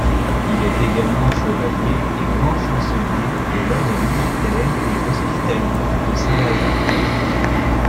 Il est également Chevalier et Grand Chancelier de l’ordre militaire et hospitalier de Saint-Lazare.